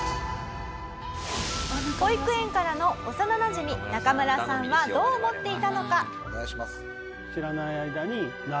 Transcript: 保育園からの幼なじみナカムラさんはどう思っていたのか？